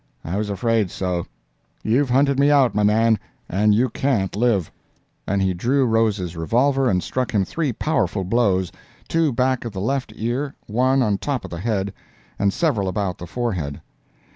I was afraid so; you've hunted me out, my man, and you can't live"—and he drew Rose's revolver and struck him three powerful blows, two back of the left ear, one on top of the head, and several about the forehead.